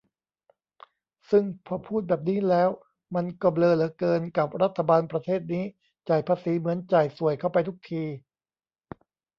ซึ่งพอพูดแบบนี้แล้ว มันก็เบลอเหลือเกินกับรัฐบาลประเทศนี้ จ่ายภาษีเหมือนจ่ายส่วยเข้าไปทุกที